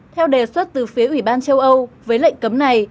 theo đề xuất từ phía ủy ban châu âu với lệnh cấm này